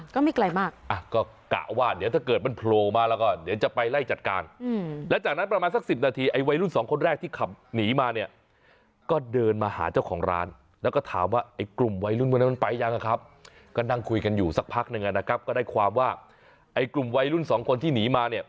ก็ไม่ไกลมากอ่ะก็กะว่าเดี๋ยวถ้าเกิดมันโผล่มาแล้วก็เดี๋ยวจะไปไล่จัดการและจากนั้นประมาณสักสิบนาทีไอ้วัยรุ่นสองคนแรกที่ขับหนีมาเนี่ยก็เดินมาหาเจ้าของร้านแล้วก็ถามว่าไอ้กลุ่มวัยรุ่นพวกนั้นมันไปยังอะครับก็นั่งคุยกันอยู่สักพักหนึ่งนะครับก็ได้ความว่าไอ้กลุ่มวัยรุ่นสองคนที่หนีมาเนี่ย